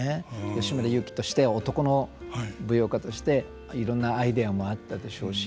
吉村雄輝として男の舞踊家としていろんなアイデアもあったでしょうし。